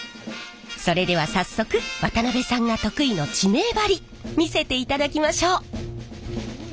それでは早速渡辺さんが得意の地名貼り見せていただきましょう。